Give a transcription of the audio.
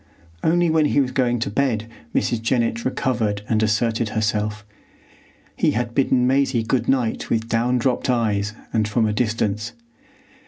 Only when he was going to bed Mrs. Jennett recovered and asserted herself. He had bidden Maisie good night with down dropped eyes and from a distance.